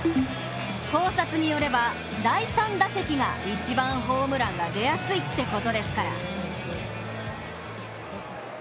考察によれば第３打席が一番ホームランが出やすいってことですから。